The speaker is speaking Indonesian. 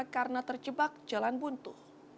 karena terjebak jalan buntu